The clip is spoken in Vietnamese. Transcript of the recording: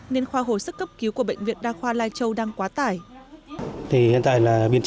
nên khoa hồi sức cấp cứu của bệnh viện đa khoa lai châu đang quá tải